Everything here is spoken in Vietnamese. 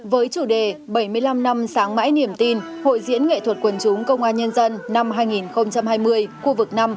với chủ đề bảy mươi năm năm sáng mãi niềm tin hội diễn nghệ thuật quần chúng công an nhân dân năm hai nghìn hai mươi khu vực năm